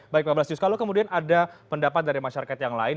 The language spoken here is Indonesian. baik pak blasius kalau kemudian ada pendapat dari masyarakat yang lain